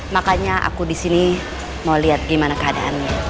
makanya aku disini mau lihat gimana keadaannya